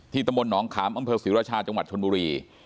ที่ตะมนต์หนองขามอำเภอสิระชาจังหวัดชนบุรี